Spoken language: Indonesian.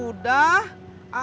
udah di blok m